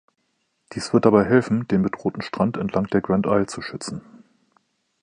Dies wird dabei helfen, den bedrohten Strand entlang der Grand Isle zu schützen.